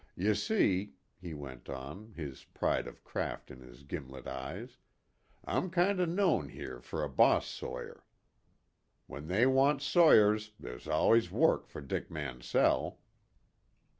Y' see," he went on, his pride of craft in his gimlet eyes, "I'm kind o' known here for a boss sawyer. When they want sawyers there's allus work for Dick Mansell."